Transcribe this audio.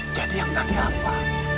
jadi yang tadi apa